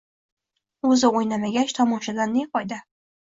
Uzi o'ynamagach, tomoshadan ne foyda?